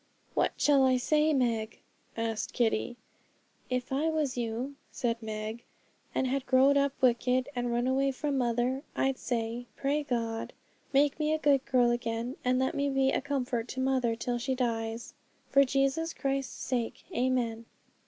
'What shall I say, Meg?' asked Kitty. 'If I was you,' said Meg, 'and had grow'd up wicked, and run away from mother, I'd say, "Pray God, make me a good girl again, and let me be a comfort to mother till she dies; for Jesus Christ's sake. Amen."'